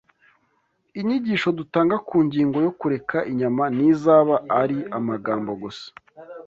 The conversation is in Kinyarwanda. inyigisho dutanga ku ngingo yo kureka inyama ntizaba ari amagambo gusa